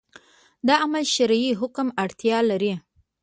دا عمل شرعي حکم اړتیا لري